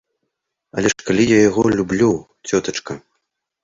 Але ж калі я яго люблю, цётачка.